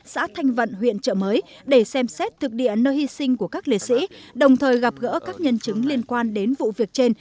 xã thanh vận huyện trợ mới để xem xét thực địa nơi hy sinh của các liệt sĩ đồng thời gặp gỡ các nhân chứng liên quan đến vụ việc trên